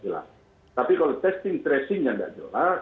kemudian kalau sudah jelas testing tracingnya treatmentnya juga jelas